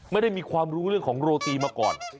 ไม่ได้มีความรู้เรื่องของโรตีมาก่อน